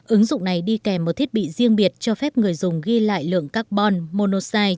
ứng dụng này đi kèm một thiết bị riêng biệt cho phép người dùng ghi lại lượng carbon monoxide trong hơi thở cũng như tình trạng sức khỏe